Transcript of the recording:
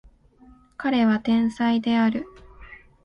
彼は天才である